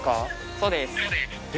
そうです。え？